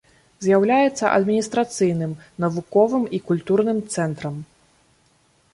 З'яўляецца адміністрацыйным, навуковым і культурным цэнтрам.